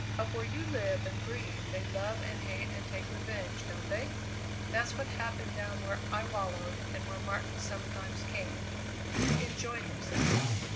Up where you live and breathe they love and hate and take revenge, don't they? That's what happened down where I wallowed and where Martin sometimes came to enjoy himself!"